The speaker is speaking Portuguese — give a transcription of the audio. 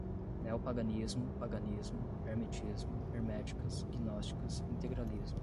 Neopaganismo, paganismo, hermetismo, herméticas, gnósticas, integralismo